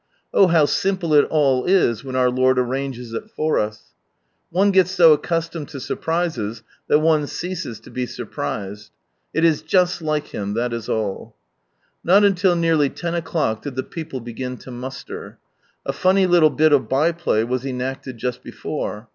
Oh how simple it all is when our Lord arranges for us. One gets so accustomed to surprises that one ceases to be surprised. It is " just like Him," that is all. Not until nearly lo o'clock did the people begin to muster. A funny little bit of by play was enacted just before.